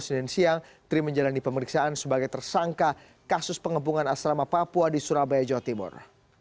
senin siang tri menjalani pemeriksaan sebagai tersangka kasus pengepungan asrama papua di surabaya jawa timur